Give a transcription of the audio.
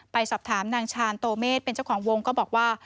ไปสอบถามนางชาญโตเมษเป็นเจ้าของวงก็บอกว่า